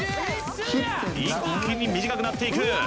一気に短くなっていく！